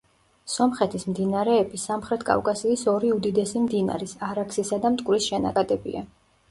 სომხეთის მდინარეები სამხრეთ კავკასიის ორი უდიდესი მდინარის არაქსისა და მტკვრის შენაკადებია.